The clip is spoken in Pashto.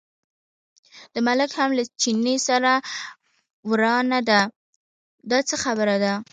د ملک هم له چیني سره ورانه ده، دا څه خبره ده.